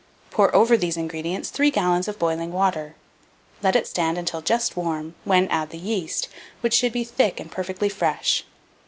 Pour over these ingredients 3 gallons of boiling water; let it stand until just warm, when add the yeast, which should be thick and perfectly fresh.